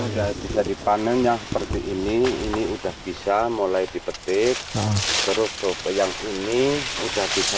udah dipanen yang seperti ini ini udah bisa mulai dipetik seru seru yang ini udah bisa